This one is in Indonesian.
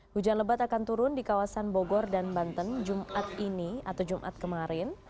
hujan lebat akan turun di kawasan bogor dan banten jumat ini atau jumat kemarin